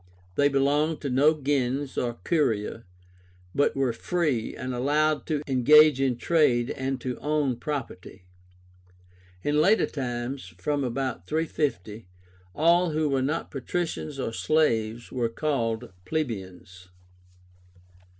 They belonged to no gens or curia, but were free, and allowed to engage in trade and to own property. In later times (from about 350) all who were not Patricians or slaves were called Plebeians.